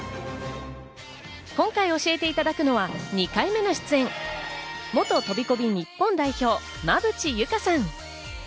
今回、教えていただくのは２回目の出演、元飛び込み日本代表・馬淵優佳さん。